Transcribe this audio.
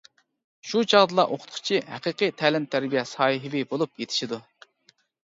شۇ چاغدىلا ئوقۇتقۇچى ھەقىقىي تەلىم-تەربىيە ساھىبى بولۇپ يېتىشىدۇ.